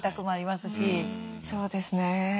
そうですね。